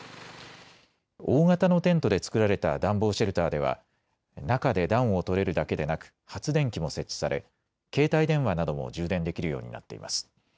大型のテントで作られた暖房シェルターでは中で暖を取れるだけでなく発電機も設置され、携帯電話なども充電できるようになっています。